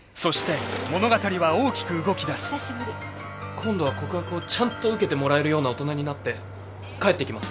今度は告白をちゃんと受けてもらえるような大人になって帰ってきます。